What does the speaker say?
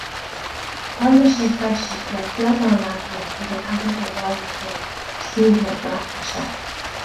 Tharla sé freisin go raibh beagán aithne ag an Athair Ó Máille ar, scríbhneoir Breatnaise.